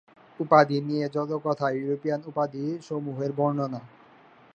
উপাধি নিয়ে যত কথা, ইউরোপিয়ান উপাধি সমূহের বর্ণনা